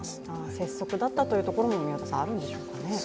拙速だったということも宮田さんあるんでしょうか。